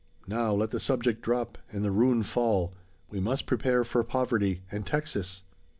Now, let the subject drop, and the ruin fall! We must prepare for poverty, and Texas!"